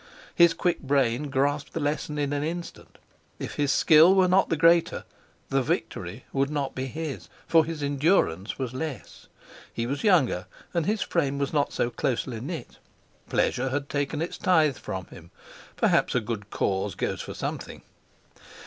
His quick brain grasped the lesson in an instant. If his skill were not the greater, the victory would not be his, for his endurance was the less. He was younger, and his frame was not so closely knit; pleasure had taken its tithe from him; perhaps a good cause goes for something.